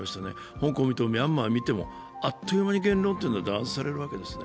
香港見てもミャンマー見ても、あっと言う間に言論は弾圧されるわけですね。